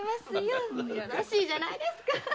よろしいじゃどうぞないですかさぁ。